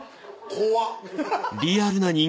怖っ。